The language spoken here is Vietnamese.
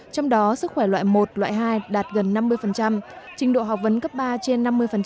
trong đó sức khỏe loại một loại hai đạt gần năm mươi trình độ học vấn cấp ba trên năm mươi